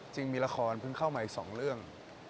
จริงมีละครเพิ่งเข้ามาอีก๒เรื่อง